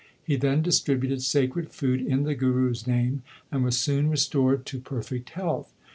He then distributed sacred food in the Guru s name, and was soon restored to perfect health.